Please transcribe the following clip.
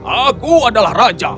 aku adalah raja